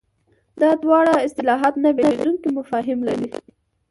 دا دواړه اصطلاحات نه بېلېدونکي مفاهیم لري.